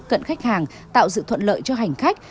các doanh nghiệp cận khách hàng tạo sự thuận lợi cho hành khách